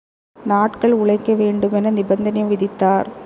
நாட்கள் உழைக்க வேண்டும் என நிபந்தனை விதித்தார்.